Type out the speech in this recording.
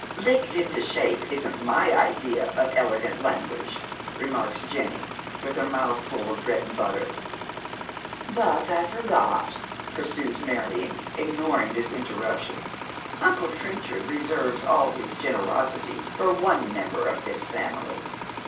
" Licked into shape isn't m9/ idea of elegant language," remarks Jenny, with her mouth full of bread and butter. " But I forgot," pursues Marion, ignoring this intemiption. " Uncle Trenchard reserves all his generosity for one member of this family.